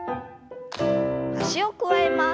脚を加えます。